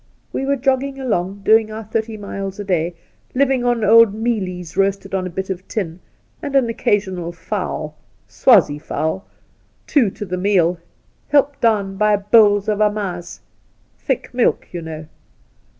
We were jogging along doing our. thirty miles a day, living on old mealies roasted on a bit of tin, and aii occasional fowl — Swazie fowl, two to the meal — helped down by bowls of amazi — ^thick milk, you know.